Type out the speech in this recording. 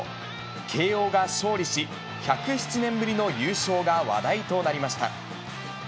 慶応が勝利し、１０７年ぶりの優勝が話題となりました。